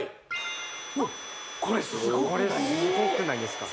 これすごくないですか？